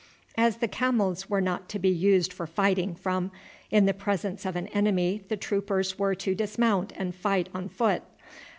As the camels were not to be used for fighting from, in the presence of an enemy the troopers were to dismount and fight on foot.